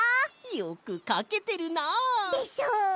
よくかけてるな。でしょ！